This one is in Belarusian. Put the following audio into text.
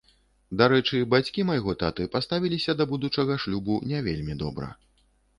Дарэчы, бацькі майго таты паставіліся да будучага шлюбу не вельмі добра.